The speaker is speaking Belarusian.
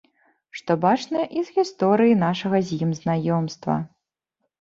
Што бачна і з гісторыі нашага з ім знаёмства.